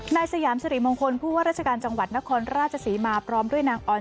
สยามสริมงคลผู้ว่าราชการจังหวัดนครราชศรีมาพร้อมด้วยนางออน